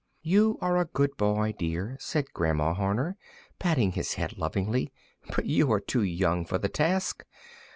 "You are a good boy, dear," said grandma Horner, patting his head lovingly, "but you are too young for the task.